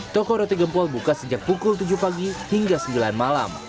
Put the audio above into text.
toko roti gempol buka sejak pukul tujuh pagi hingga sembilan malam